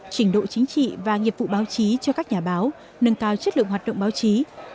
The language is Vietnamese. trình độ chính trị và nghiệp vụ báo chí cho các nhà báo nâng cao chất lượng hoạt động báo chí